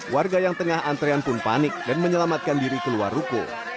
warga yang tengah antrean pun panik dan menyelamatkan diri keluar ruko